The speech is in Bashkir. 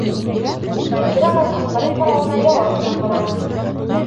— Багираның ҡысҡырып һорауына яуап яңғыраны.